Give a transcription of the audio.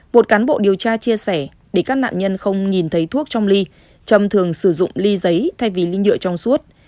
một cán bộ điều tra chia sẻ để các nạn nhân không nhìn thấy thuốc trong ly trầm thường sử dụng ly giấy thay vì ly nhựa trong suốt